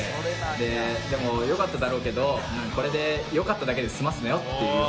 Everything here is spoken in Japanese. で「でもよかっただろうけどこれでよかっただけで済ますなよ」っていう。